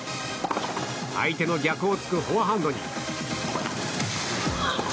相手の逆を突くフォアハンドに。